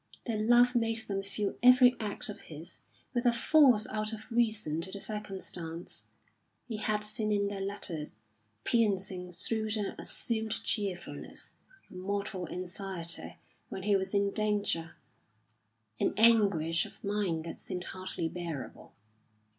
Their love made them feel every act of his with a force out of reason to the circumstance. He had seen in their letters, piercing through the assumed cheerfulness, a mortal anxiety when he was in danger, an anguish of mind that seemed hardly bearable.